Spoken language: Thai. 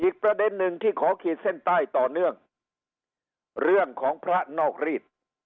อีกประเด็นหนึ่งที่ขอขีดเส้นใต้ต่อเนื่องเรื่องของพระนอกรีด